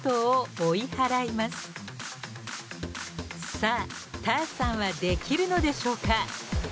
さあＴａｒさんはできるのでしょうか？